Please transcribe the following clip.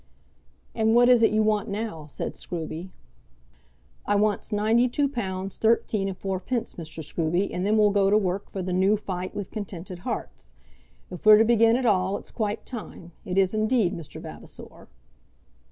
"And what is it you want now?" said Scruby. "I wants ninety two pounds thirteen and fourpence, Mr. Scruby, and then we'll go to work for the new fight with contented hearts. If we're to begin at all, it's quite time; it is indeed, Mr. Vavasor."